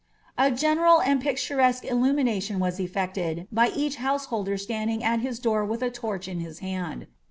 A general and picturesque illumination was elTccinl, by each houneholder standing at his door with a torch in his hand.